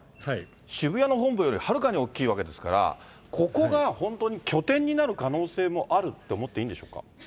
渋谷の本部よりはるかに大きいわけですから、ここが本当に拠点になる可能性もあると思っていいんでしょうか。